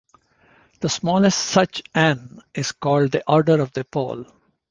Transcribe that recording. The smallest such "n" is called the order of the pole.